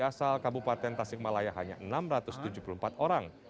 asal kabupaten tasikmalaya hanya enam ratus tujuh puluh empat orang